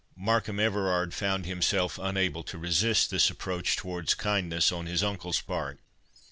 Markham Everard found himself unable to resist this approach towards kindness on his uncle's part.